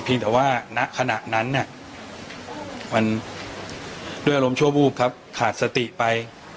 แต่ว่าณขณะนั้นมันด้วยอารมณ์ชั่ววูบครับขาดสติไป